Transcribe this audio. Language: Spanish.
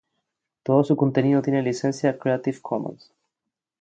Todo su contenido tiene licencia Creative Commons.